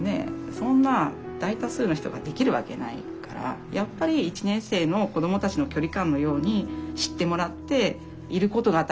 そんな大多数の人ができるわけないからやっぱり１年生の子どもたちの距離感のように知ってもらっていることが当たり前になって。